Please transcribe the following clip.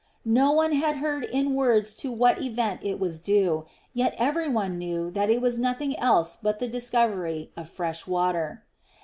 No one had heard in words to what event it was due, yet every one knew that it meant nothing else than the discovery of fresh water.